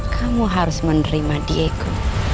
kamu harus menerima diego